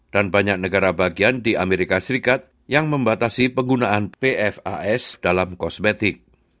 dan banyak negara bagian di amerika serikat yang membatasi penggunaan pfas dalam kosmetik